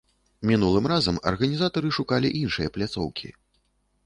Мінулым разам арганізатары шукалі іншыя пляцоўкі.